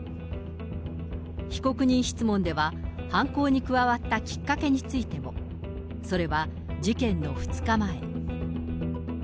被告人質問では、犯行に加わったきっかけについても。それは、事件の２日前。